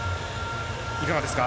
いかがですか？